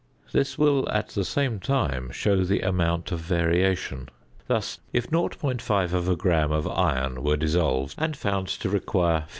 This will at the same time show the amount of variation. Thus, if 0.5 gram of iron were dissolved and found to require 50.